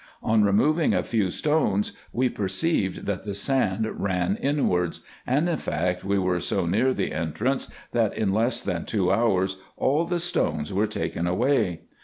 On removing a few stones, we per ceived, that the sand ran inwards ; and, in fact, we were so near the entrance, that in less than two hours all the stones were taken away.